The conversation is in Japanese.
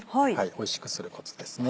おいしくするコツですね。